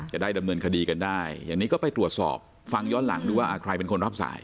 จะได้ดำเนินคดีกันได้อย่างนี้ก็ไปตรวจสอบฟังย้อนหลังดูว่าใครเป็นคนรับสาย